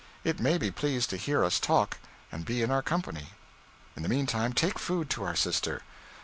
It may be pleased to hear us talk, and be in our company. In the meantime take food to our sister.'